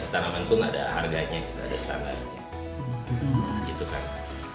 tanaman pun ada harganya ada standarnya